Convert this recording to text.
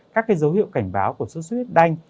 các cái dấu hiệu cảnh báo của sốc do xuất huyết đanh